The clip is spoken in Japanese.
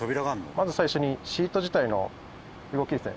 まず最初にシート自体の動きですね。